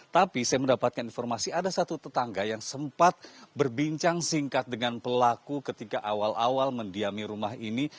tapi saya mendapatkan informasi ada satu tetangga yang sempat berbincang singkat dengan pelaku ketika awal awal mendiami rumah ini